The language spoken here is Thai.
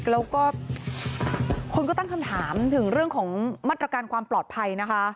แล้วก็คนก็ตั้งคำถามถึงเรื่องของมาตรการความปลอดภัยนะคะ